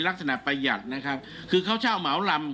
ลักษณะประหยัดนะครับคือเค้าเช่าเหมารัม